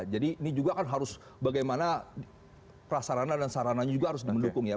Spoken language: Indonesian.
jadi ini juga kan harus bagaimana prasarana dan sarananya juga harus di mendukung ya